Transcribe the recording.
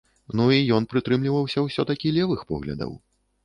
Ну і ён прытрымліваўся ўсё-такі левых поглядаў.